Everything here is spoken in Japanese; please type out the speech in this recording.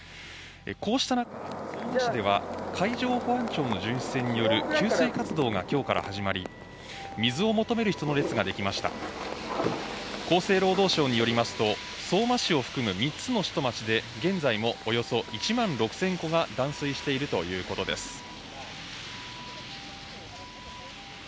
こうした中、相馬市では海上保安庁の巡視船による給水活動がきょうから始まり水を求める人の列ができました厚生労働省によりますと相馬市を含む３つの市と町で現在もおよそ１万６０００戸が断水しているということです